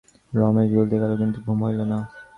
রমেশ শুইতে গেল, কিন্তু ঘুম হইল না।